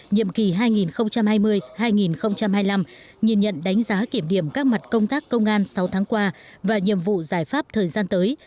nhiệm kỳ hai nghìn hai mươi hai nghìn hai mươi năm nhìn nhận đánh giá kiểm điểm các mặt công tác công an sáu tháng qua và nhiệm vụ giải pháp thời gian tới